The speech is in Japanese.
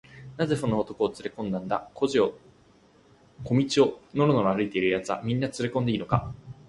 「なぜその男をつれこんだんだ？小路をのろのろ歩いているやつは、みんなつれこんでいいのか？」